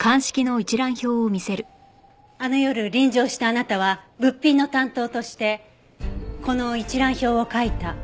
あの夜臨場したあなたは物品の担当としてこの一覧表を書いた。